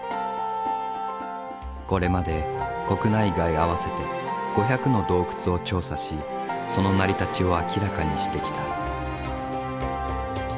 これまで国内外合わせて５００の洞窟を調査しその成り立ちを明らかにしてきた。